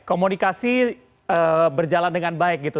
komunikasi berjalan dengan baik gitu